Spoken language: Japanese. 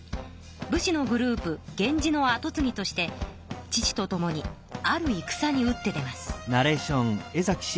武士のグループ源氏のあとつぎとして父とともにあるいくさに打って出ます。